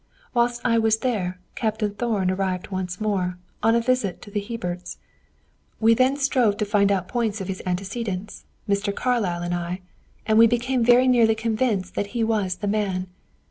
Whilst I was there, Captain Thorn arrived once more, on a visit to the Herberts. We then strove to find out points of his antecedents, Mr. Carlyle and I, and we became nearly convinced that he was the man.